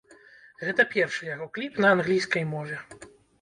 Гэта першы яго кліп на англійскай мове.